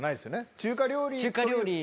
中華料理。